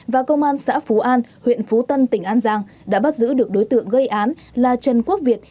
và công an xã phú an huyện phú tân tỉnh an giang đã bắt giữ được đối tượng gây án là trần quốc việt